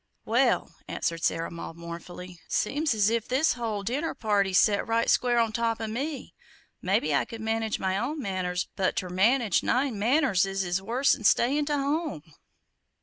"Well," answered Sarah Maud, mournfully, "seems as if this whole dinner party set right square on top o' me! Maybe I could manage my own manners, but ter manage nine mannerses is worse 'n staying to home!"